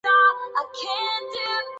但这些尝试最初都不成功。